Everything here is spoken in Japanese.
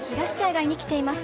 街に来ています。